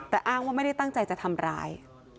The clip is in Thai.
แต่อ้างว่าไม่ได้ตั้งใจจะทำร้าย